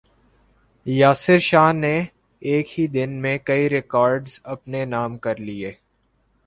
یاسر شاہ نے ایک ہی دن میں کئی ریکارڈز اپنے نام کر لیے